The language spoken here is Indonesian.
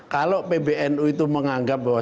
kalau pbnu itu menganggap bahwa